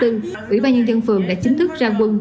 ủy ban nhân dân phường đã chính thức ra quân